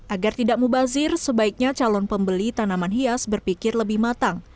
agar tidak mubazir sebaiknya calon pembeli tanaman hias berpikir lebih matang